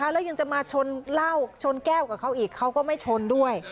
แล้วยังจะมาชนเหล้าชนแก้วกับเขาอีกเขาก็ไม่ชนด้วย